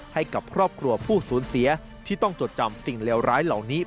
ให้กับครอบครัวผู้สูญเสียที่ต้องจดจำสิ่งเลวร้ายเหล่านี้